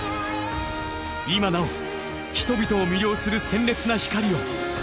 今なお人々を魅了する鮮烈な光を放ち続ける。